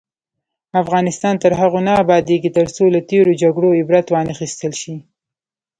افغانستان تر هغو نه ابادیږي، ترڅو له تیرو جګړو عبرت وانخیستل شي.